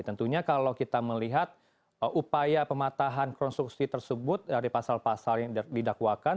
tentunya kalau kita melihat upaya pematahan konstruksi tersebut dari pasal pasal yang didakwakan